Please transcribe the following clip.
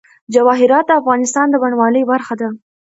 جواهرات د افغانستان د بڼوالۍ برخه ده.